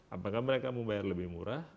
apakah mereka mau bayar lebih murah